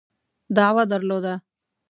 دعوه درلوده.